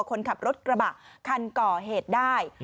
คนขับรถกระบะคันก่อเหตุได้